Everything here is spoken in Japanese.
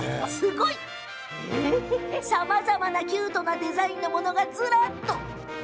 さまざまなキュートなデザインのものがずらっと。